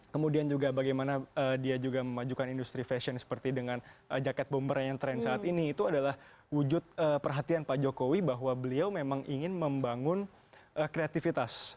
kemudian juga bagaimana dia juga memajukan industri fashion seperti dengan jaket bomber yang tren saat ini itu adalah wujud perhatian pak jokowi bahwa beliau memang ingin membangun kreativitas